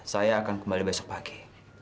saya akan kembali besok pagi